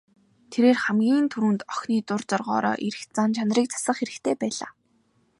Тэрээр хамгийн түрүүнд охины дур зоргоороо эрх зан чанарыг засах хэрэгтэй байлаа.